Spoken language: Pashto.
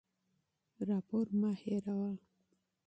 راپور مه هېروه.